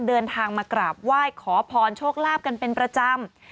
เดินทางมากราบไหว้ขอพรโชคลาภกันเป็นประจำ